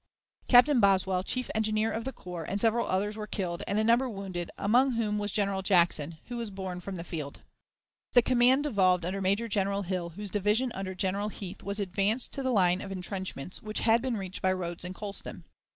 Captain Boswell, chief engineer of the corps, and several others, were killed and a number wounded, among whom was General Jackson, who was borne from the field. The command devolved upon Major General Hill, whose division under General Heath was advanced to the line of intrenchments which had been reached by Rodes and Colston.